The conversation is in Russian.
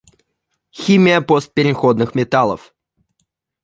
Химия постпереходных металлов.